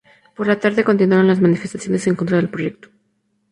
Por la tarde continuaron las manifestaciones en contra del proyecto.